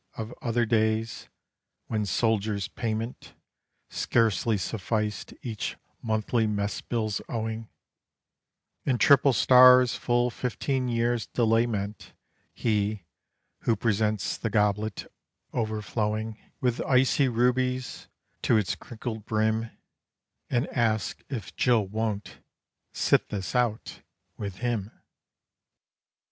of other days when soldier's payment Scarcely sufficed each monthly mess bill's owing, And triple stars full fifteen years delay meant; He, who presents the goblet, over flowing With icy rubies to its crinkled brim, And asks if Jill won't "sit this out" with him....